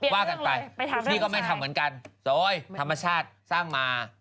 ว่ากันไปนี่ก็ไม่ทำเหมือนกันโอ๊ยธรรมชาติสร้างมา